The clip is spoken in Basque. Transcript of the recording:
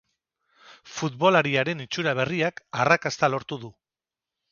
Futbolariaren itxura berriak arrakasta lortu du.